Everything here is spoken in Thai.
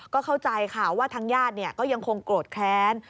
ก็เข้าใจค่ะว่าทางญาติก็ยังคงโกรธแค้น